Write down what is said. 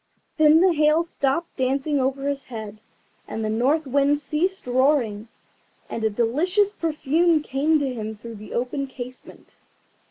Then the Hail stopped dancing over his head, and the North Wind ceased roaring, and a delicious perfume came to him through the open casement.